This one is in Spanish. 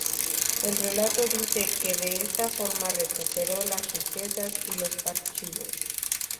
El relato dice que de esta forma recuperó las riquezas y los archivos.